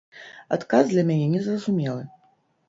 Адказ для мяне незразумелы.